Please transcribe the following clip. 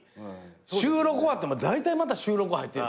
収録終わってもだいたいまた収録入ってる。